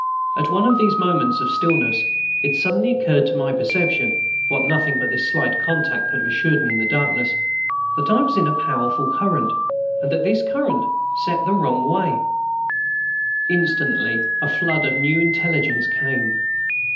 At one of these moments of stillness it suddenly occurred to my perception (what nothing but this slight contact could have assured me, in the darkness) that I was in a powerful current, and that this current set the wrong way. Instantly a flood of new intelligence came.